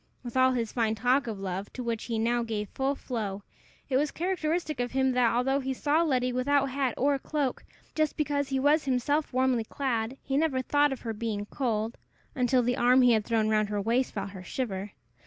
With all his fine talk of love, to which he now gave full flow, it was characteristic of him that, although he saw Letty without hat or cloak, just because he was himself warmly clad, he never thought of her being cold, until the arm he had thrown round her waist felt her shiver.